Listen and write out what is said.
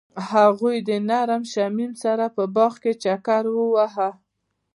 هغوی د نرم شمیم سره په باغ کې چکر وواهه.